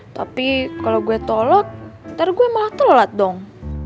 tapi kalau gue tolak ntar gue malah telat dong